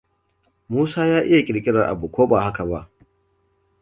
Musa ya iya kirkirar abu, ko ba haka ba?